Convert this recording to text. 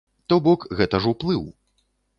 То бок, гэта ж уплыў.